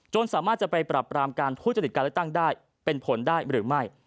สามารถจะไปปรับปรามการทุจริตการเลือกตั้งได้เป็นผลได้หรือไม่